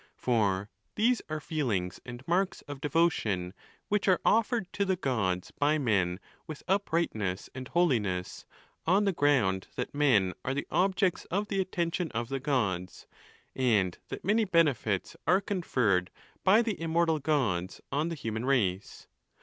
for these are feelings and marks of devotion which are offered to the Gods by men with uprightness and holiness, on the ground that men are the objects of the attention of the Gods, and that many benefits are conferred by the immor tal Gods on the human race.